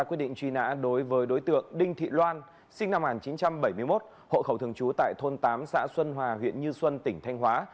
quyết định truy nã đối với đối tượng đinh thị loan sinh năm một nghìn chín trăm bảy mươi một hộ khẩu thường trú tại thôn tám xã xuân hòa huyện như xuân tỉnh thanh hóa